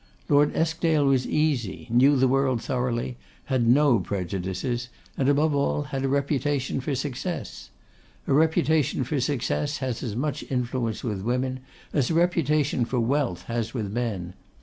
Lord Eskdale was easy, knew the world thoroughly, had no prejudices, and, above all, had a reputation for success. A reputation for success has as much influence with women as a reputation for wealth has with men.